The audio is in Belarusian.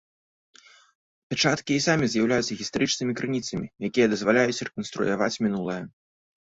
Пячаткі і самі з'яўляюцца гістарычнымі крыніцамі, якія дазваляюць рэканструяваць мінулае.